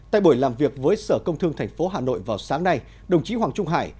tại buổi làm việc với sở công thương tp hà nội vào sáng nay đồng chí hoàng trung hải